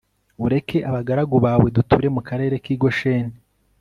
ureke abagaragu bawe duture mu karere k i Gosheni